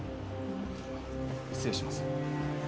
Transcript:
失礼します。